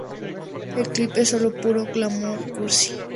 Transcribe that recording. El clip es sólo puro glamour cursi.